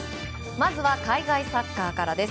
まずは海外サッカーからです。